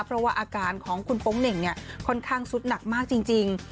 เพราะว่าอาการของคุณโป๊งเหน่งเนี่ยค่อนข้างสุดหนักมากจริง